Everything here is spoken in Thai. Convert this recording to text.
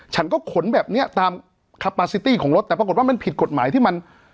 ฉันก็ขนแบบเนี้ยตามคาปาซิตี้ของรถแต่ปรากฏว่ามันผิดกฎหมายที่มัน